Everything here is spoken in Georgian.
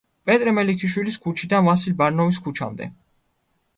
პეტრე მელიქიშვილის ქუჩიდან ვასილ ბარნოვის ქუჩამდე.